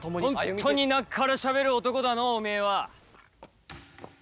本当になっからしゃべる男だのうおめえは。